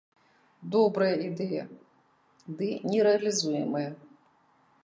Добрая ідэя, ды нерэалізуемая.